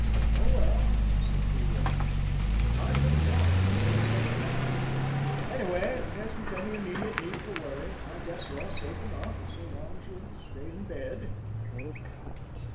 "Oh, well," said P. Walton, "I'm just warning you, that's all. Anyway, there isn't any immediate need for worry. I guess you're safe enough so long as you stay in bed."